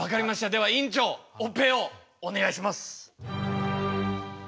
では院長オペをお願いします。